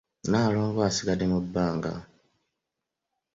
Naloongo asigadde mu bbanga.